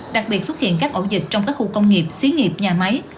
đặc biệt xuất hiện các ổ dịch trong các khu công nghiệp xí nghiệp nhà máy